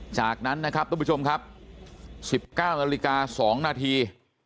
จากนั้นนะครับทุกผู้ชมครับ๑๙นาฬิกา๒นาที